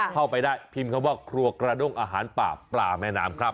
เข้าไปได้พิมพ์คำว่าครัวกระด้งอาหารป่าปลาแม่น้ำครับ